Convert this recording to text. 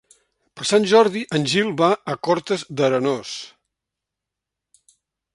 Per Sant Jordi en Gil va a Cortes d'Arenós.